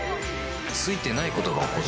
ついてないことが起こる